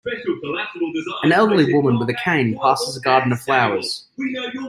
An elderly woman with a cane passes a garden of flowers.